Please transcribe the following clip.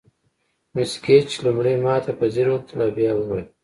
مس ګیج لومړی ماته په ځیر وکتل او بیا یې وویل.